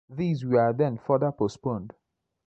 These were then further postponed.